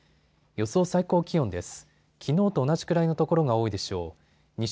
予想最高気温です。